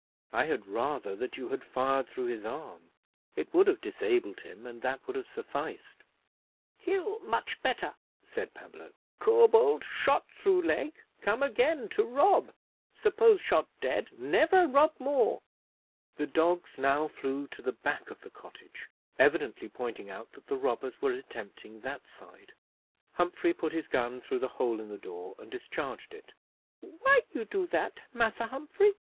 I had rather that you had fired through his arm it would have disabled him, and that would have sufficed." "Kill much better," said Pablo. "Corbould shot through leg, come again to rob; suppose shot dead, never rob more." The dogs now flew to the back of the cottage, evidently pointing out that the robbers were attempting that side. Humphrey put his gun through the hole in the door, and discharged it. "Why you do that, Massa Humphrey?